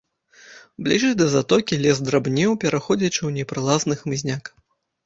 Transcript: Бліжэй да затокі лес драбнеў, пераходзячы ў непралазны хмызняк.